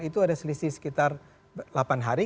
itu ada selisih sekitar delapan hari